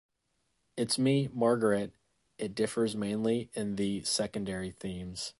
It's Me, Margaret, it differs mainly in the secondary themes.